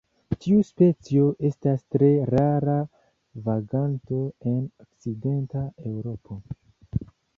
Tiu specio estas tre rara vaganto en Okcidenta Eŭropo.